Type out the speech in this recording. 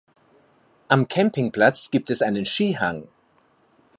Am Campingplatz gibt es einen Skihang.